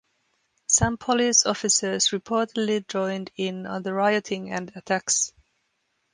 Some police officers reportedly joined in on the rioting and attacks.